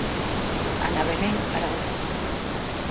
Ana Belén Araújo.